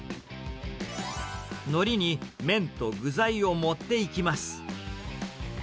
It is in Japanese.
のりに、麺と具材を盛っていきます。